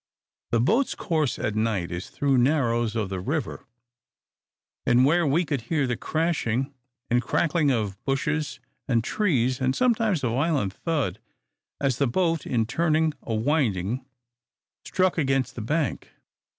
The boat's course at night is through narrows of the river, where we could hear the crashing and crackling of bushes and trees, and sometimes a violent thud, as the boat, in turning a winding, struck against the bank.